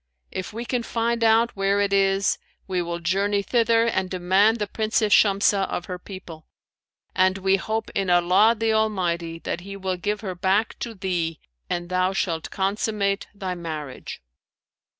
If we can find out where it is, we will journey thither and demand the Princess Shamsah of her people, and we hope in Allah the Almighty that He will give her back to thee and thou shalt consummate thy marriage.'